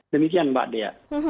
demikian mbak dea